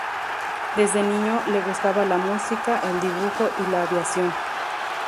Desde niño, le gustaba la música, el dibujo y la aviación.